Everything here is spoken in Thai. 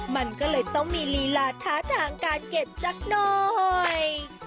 มันก็เลยต้องมีลีลาท้าทางการเก็บสักหน่อย